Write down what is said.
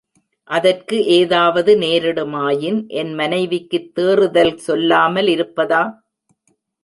அதற்கு ஏதாவது நேரிடுமாயின், என் மனைவிக்குத் தேறுதல் சொல்லாமலிருப்பதா?